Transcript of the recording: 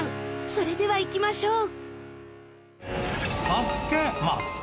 それではいきましょう！